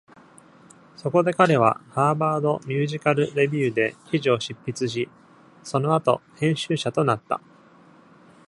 そこで彼は「ハーバード・ミュージカル・レビュー」で記事を執筆し、その後編集者となった。